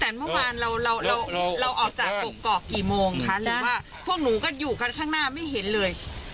แต่เมื่อวานเราเราออกจากกกอกกี่โมงคะหรือว่าพวกหนูก็อยู่กันข้างหน้าไม่เห็นเลย